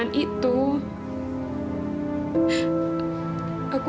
jangan lupa zak